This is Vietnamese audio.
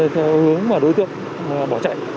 theo hướng mà đối tượng bỏ chạy